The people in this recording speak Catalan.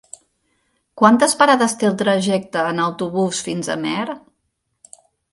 Quantes parades té el trajecte en autobús fins a Amer?